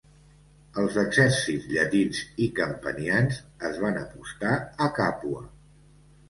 Els exèrcits llatins i campanians es van apostar a Càpua.